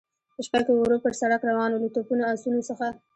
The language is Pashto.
په شپه کې ورو پر سړک روان و، له توپونو، اسونو څخه.